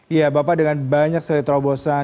ya bapak dengan banyak seri terobosan